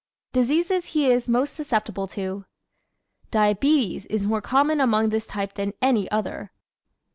Diseases He Is Most Susceptible To ¶ Diabetes is more common among this type than any other.